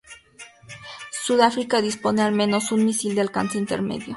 Sudáfrica dispone de al menos un misil de alcance intermedio.